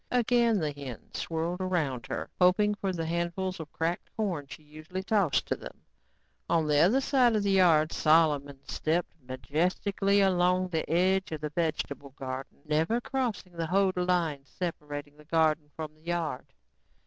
Again the hens swirled about her, hoping for the handfuls of cracked corn she usually tossed to them. On the other side of the yard Solomon stepped majestically along the edge of the vegetable garden, never crossing the hoed line separating garden from yard.